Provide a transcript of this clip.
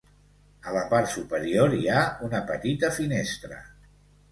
A la part superior hi ha una petita finestra.